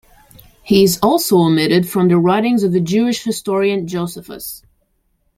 He is also omitted from the writings of the Jewish historian Josephus.